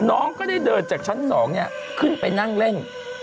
น้องก็ได้เดินจากชั้น๒ขึ้นไปนั่งเล่น